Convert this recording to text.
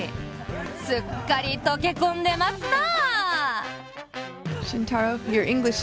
すっかり、溶け込んでますなー！